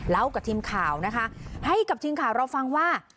กับทีมข่าวนะคะให้กับทีมข่าวเราฟังว่า